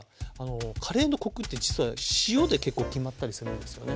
カレーのコクって実は塩で結構決まったりするんですよね。